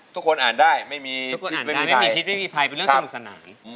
ทุกคนอ่านได้ไม่มีคลิปไม่มีภัยเป็นเรื่องสนุกสนาน